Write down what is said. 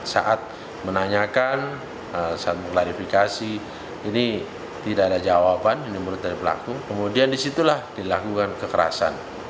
saat menanyakan saat klarifikasi ini tidak ada jawaban ini menurut dari pelaku kemudian disitulah dilakukan kekerasan